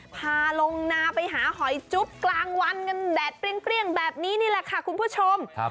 พาลงนาไปหาหอยจุ๊บกลางวันกันแดดเปรี้ยงแบบนี้นี่แหละค่ะคุณผู้ชม